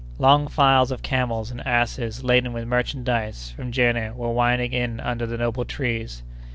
Long files of camels and asses laden with merchandise from Jenné were winding in under the noble trees.